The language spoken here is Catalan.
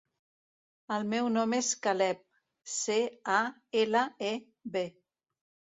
El meu nom és Caleb: ce, a, ela, e, be.